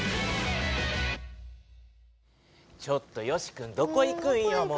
ちょっとよしくんどこ行くんよ